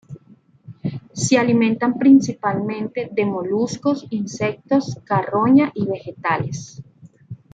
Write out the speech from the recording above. Se alimentan principalmente de moluscos, insectos, carroña y vegetales.